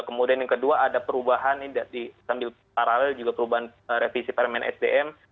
kemudian yang kedua ada perubahan sambil paralel juga perubahan revisi permen sdm